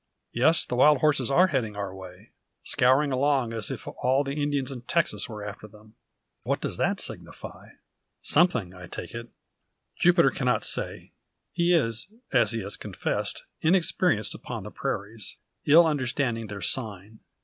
Yes, the wild horses are heading our way; scouring along as if all the Indians in Texas were after them. What does that signify? Something, I take it." Jupiter cannot say. He is, as he has confessed, inexperienced upon the prairies, ill understanding their "sign."